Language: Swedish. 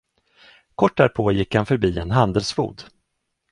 Kort därpå gick han förbi en handelsbod.